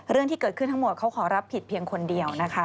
เรื่องที่เกิดขึ้นทั้งหมดเขาขอรับผิดเพียงคนเดียวนะคะ